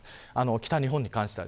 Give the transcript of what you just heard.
北日本に関しては。